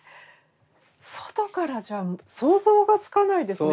外からじゃ想像がつかないですね